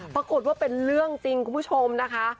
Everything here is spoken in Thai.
ปรากฏว่าเป็นเรื่องจริงคุณผู้ชมนะคะ